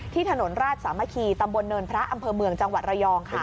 ถนนราชสามัคคีตำบลเนินพระอำเภอเมืองจังหวัดระยองค่ะ